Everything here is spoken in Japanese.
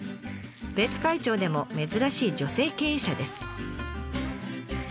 別海町でも珍しい女性経営者です。